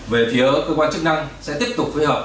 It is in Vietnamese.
về phía cơ quan chức năng sẽ tiếp tục phối hợp